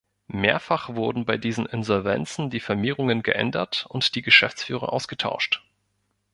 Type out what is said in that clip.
Mehrfach wurden bei diesen Insolvenzen die Firmierungen geändert und die Geschäftsführer ausgetauscht.